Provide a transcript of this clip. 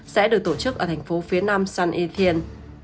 sẽ được tổ chức ở thành phố phía nam san etienne